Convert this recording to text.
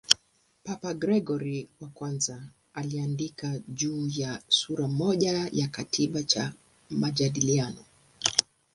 Papa Gregori I aliandika juu yake sura moja ya kitabu cha "Majadiliano".